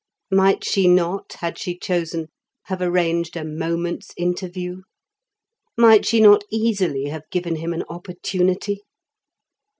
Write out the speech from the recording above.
Might she not, had she chosen, have arranged a moment's interview? Might she not easily have given him an opportunity?